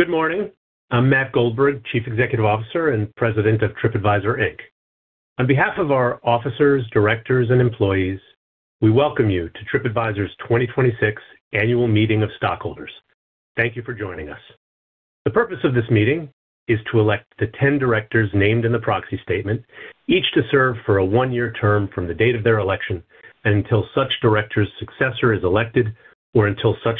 Good morning. I'm Matt Goldberg, Chief Executive Officer and President of Tripadvisor Inc. On behalf of our officers, directors, and employees, we welcome you to Tripadvisor's 2026 annual meeting of stockholders. Thank you for joining us. The purpose of this meeting is to elect the 10 directors named in the proxy statement, each to serve for a one-year term from the date of their election and until such director's successor is elected, or until such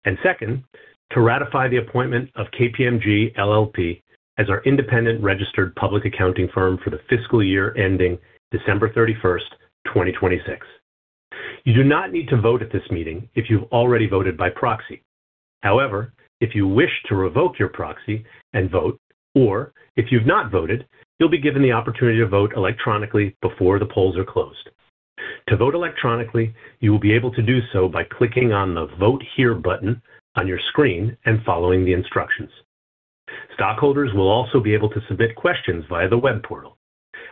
director's earlier resignation or removal. Second, to ratify the appointment of KPMG LLP as our independent registered public accounting firm for the fiscal year ending December 31st, 2026. You do not need to vote at this meeting if you've already voted by proxy. However, if you wish to revoke your proxy and vote, or if you've not voted, you'll be given the opportunity to vote electronically before the polls are closed. To vote electronically, you will be able to do so by clicking on the Vote Here button on your screen and following the instructions. Stockholders will also be able to submit questions via the web portal.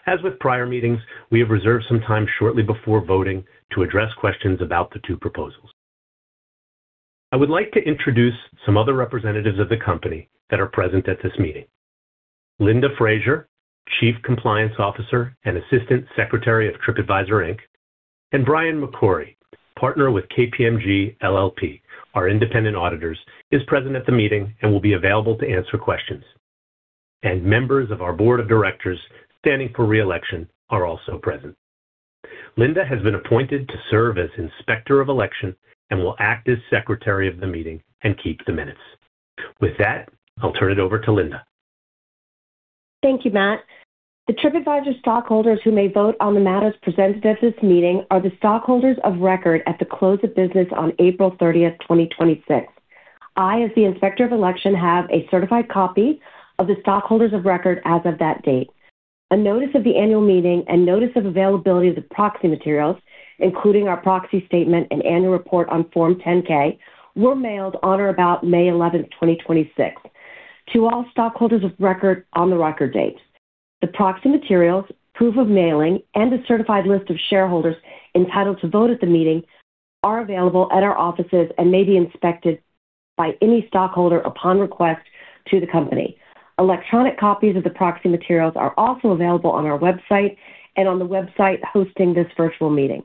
As with prior meetings, we have reserved some time shortly before voting to address questions about the two proposals. I would like to introduce some other representatives of the company that are present at this meeting. Linda Frazier, Chief Compliance Officer and Assistant Secretary of Tripadvisor Inc. Brian McCrory, partner with KPMG LLP, our independent auditors, is present at the meeting and will be available to answer questions. Members of our board of directors standing for re-election are also present. Linda has been appointed to serve as Inspector of Election and will act as Secretary of the meeting and keep the minutes. With that, I'll turn it over to Linda. Thank you, Matt. The Tripadvisor stockholders who may vote on the matters presented at this meeting are the stockholders of record at the close of business on April 30th, 2026. I, as the Inspector of Election, have a certified copy of the stockholders of record as of that date. A notice of the annual meeting and notice of availability of the proxy materials, including our proxy statement and annual report on Form 10-K, were mailed on or about May 11th, 2026, to all stockholders of record on the record date. The proxy materials, proof of mailing, and a certified list of shareholders entitled to vote at the meeting are available at our offices and may be inspected by any stockholder upon request to the company. Electronic copies of the proxy materials are also available on our website and on the website hosting this virtual meeting.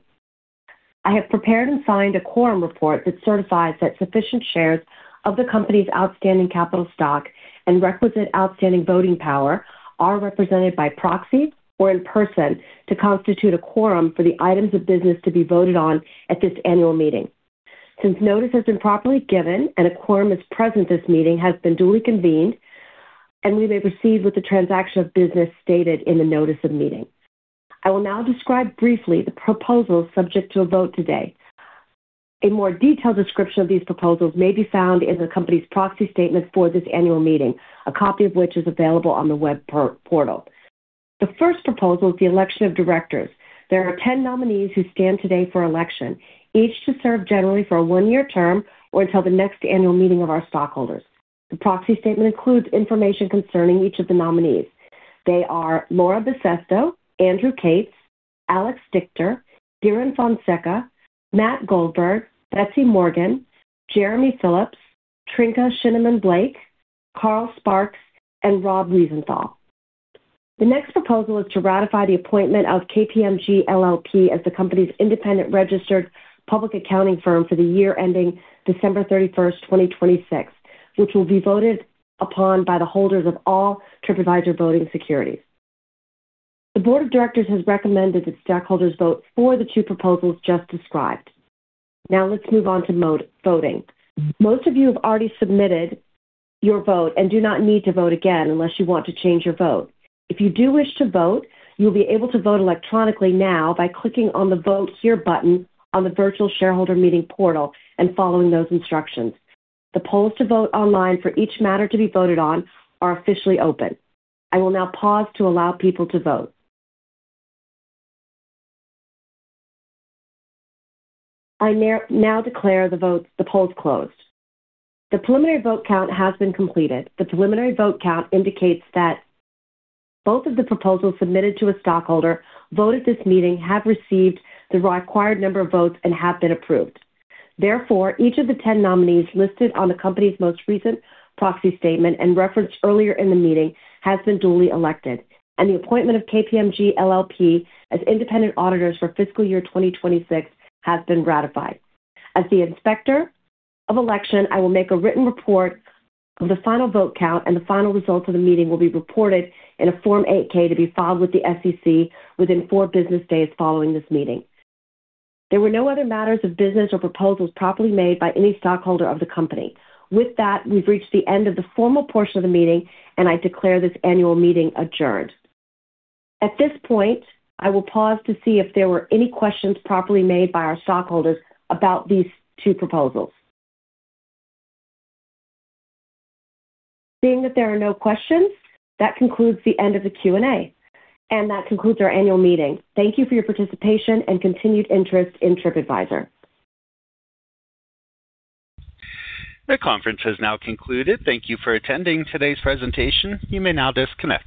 I have prepared and signed a quorum report that certifies that sufficient shares of the company's outstanding capital stock and requisite outstanding voting power are represented by proxy or in person to constitute a quorum for the items of business to be voted on at this annual meeting. Since notice has been properly given and a quorum is present, this meeting has been duly convened, and we may proceed with the transaction of business stated in the notice of meeting. I will now describe briefly the proposals subject to a vote today. A more detailed description of these proposals may be found in the company's proxy statement for this annual meeting, a copy of which is available on the web portal. The first proposal is the election of directors. There are 10 nominees who stand today for election, each to serve generally for a one-year term or until the next annual meeting of our stockholders. The proxy statement includes information concerning each of the nominees. They are Laura Bisesto, Andrew Cates, Alex Dichter, Dhiren Fonseca, Matt Goldberg, Betsy Morgan, Jeremy Philips, Trynka Shineman Blake, Carl Sparks, and Rob Wiesenthal. The next proposal is to ratify the appointment of KPMG LLP as the company's independent registered public accounting firm for the year ending December 31st, 2026, which will be voted upon by the holders of all Tripadvisor voting securities. The board of directors has recommended that stockholders vote for the two proposals just described. Now let's move on to voting. Most of you have already submitted your vote and do not need to vote again unless you want to change your vote. If you do wish to vote, you'll be able to vote electronically now by clicking on the Vote Here button on the virtual shareholder meeting portal and following those instructions. The polls to vote online for each matter to be voted on are officially open. I will now pause to allow people to vote. I now declare the polls closed. The preliminary vote count has been completed. The preliminary vote count indicates that both of the proposals submitted to a stockholder vote at this meeting have received the required number of votes and have been approved. Therefore, each of the 10 nominees listed on the company's most recent proxy statement and referenced earlier in the meeting has been duly elected, and the appointment of KPMG LLP as independent auditors for fiscal year 2026 has been ratified. As the Inspector of Election, I will make a written report of the final vote count and the final results of the meeting will be reported in a Form 8-K to be filed with the SEC within four business days following this meeting. There were no other matters of business or proposals properly made by any stockholder of the company. With that, we've reached the end of the formal portion of the meeting, and I declare this annual meeting adjourned. At this point, I will pause to see if there were any questions properly made by our stockholders about these two proposals. Seeing that there are no questions, that concludes the end of the Q&A, and that concludes our annual meeting. Thank you for your participation and continued interest in Tripadvisor. The conference has now concluded. Thank you for attending today's presentation. You may now disconnect.